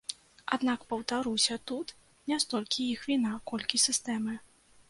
Аднак, паўтаруся, тут не столькі іх віна, колькі сістэмы.